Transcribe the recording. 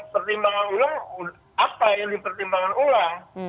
pertimbangan ulang apa yang dipertimbangkan ulang